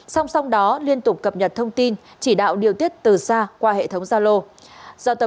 song song đó liên tục cập nhật thông tin chỉ đạo điều tiết từ xa qua hệ thống giao lô